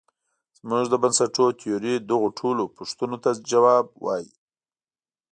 زموږ د بنسټونو تیوري دغو ټولو پوښتونو ته ځواب وايي.